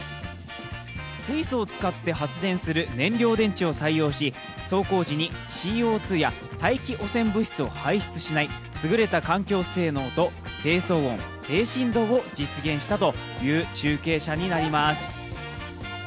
水素を使って発電する燃料電池を使い走行時にＣＯ２や大気汚染物質を排出しない優れた環境性能と低騒音、低振動を実現した中継車になります。